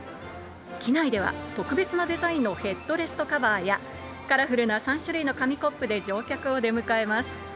機内では、特別なデザインのヘッドレストカバーや、カラフルな３種類の紙コップで乗客を出迎えます。